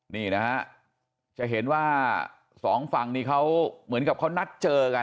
นี่นะฮะจะเห็นว่าสองฝั่งนี้เขาเหมือนกับเขานัดเจอกัน